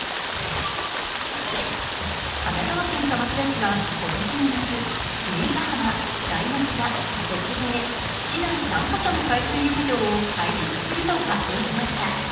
神奈川県鎌倉市は今年の夏、由比ガ浜、材木座、腰越、市内３カ所の海水浴場を開設すると発表しました。